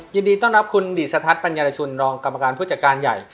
ยินดีต้อนรับคุณดิสทัศน์ปัญญารชุนรองกรรมการผู้จัดการใหญ่